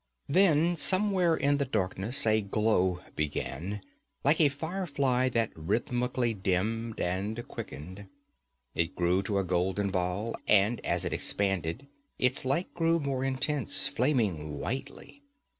Then somewhere in the darkness a glow began, like a firefly that rhythmically dimmed and quickened. It grew to a golden ball, and as it expanded its light grew more intense, flaming whitely.